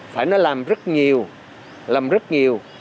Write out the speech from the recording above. phải nó làm rất nhiều làm rất nhiều